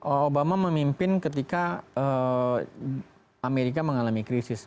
obama memimpin ketika amerika mengalami krisis